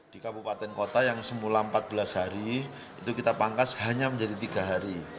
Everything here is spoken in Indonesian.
di kabupaten kota yang semula empat belas hari itu kita pangkas hanya menjadi tiga hari